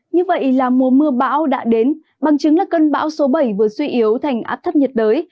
như vậy là mùa mưa bão đã đến bằng chứng là cơn bão số bảy vừa suy yếu thành áp thấp nhiệt đới